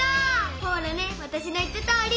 ほらねわたしの言ったとおり！